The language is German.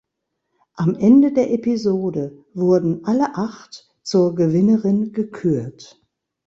Am Ende der Episode wurden alle acht zur Gewinnerin gekürt.